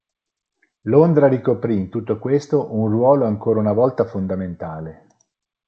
Londra ricoprì in tutto questo un ruolo ancora una volta fondamentale.